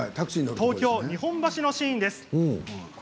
東京・日本橋のシーンです。